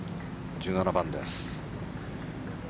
１７番です。